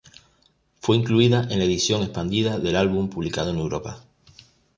Fue incluida en la edición expandida del álbum publicada en Europa.